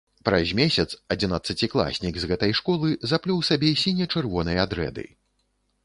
Праз месяц адзінаццацікласнік з гэтай школы заплёў сабе сіне-чырвоныя дрэды.